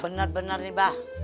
benar benar nih bah